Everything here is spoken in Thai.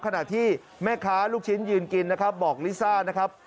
ขณะที่แม่ค้าลูกชิ้นยืนกินนะครับบอกลิซ่านะครับ